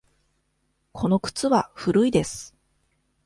この靴は古いです。